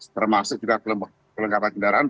termasuk juga kelengkapan kendaraan